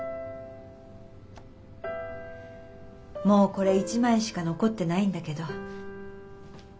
もうこれ１枚しか残ってないんだけど。